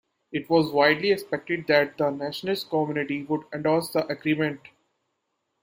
It was widely expected that the nationalist community would endorse the agreement.